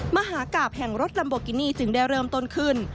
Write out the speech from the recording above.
มหากราบแห่งรถลัมโบกินี่จึงได้เริ่มต้นขึ้น